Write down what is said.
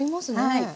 はい。